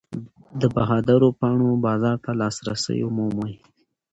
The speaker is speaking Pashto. د بهادرو پاڼو بازار ته لاسرسی ومومئ.